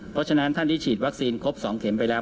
เพราะฉะนั้นท่านที่ฉีดวัคซีนครบ๒เข็มไปแล้ว